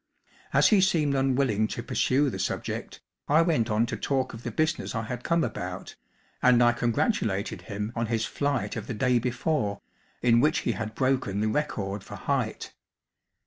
As he seemed unwilling to pursue the subject, I went on to talk of the business I had come about, and I congratulated him on his flight of the day before in which he had broken the record for height.